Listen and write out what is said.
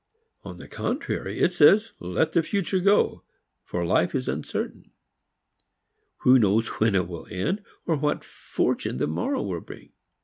On the contrary it says let the future go, for life is uncertain. Who knows when it will end, or what fortune the morrow will bring?